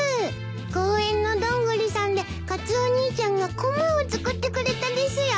公園のドングリさんでカツオ兄ちゃんがこまを作ってくれたですよ。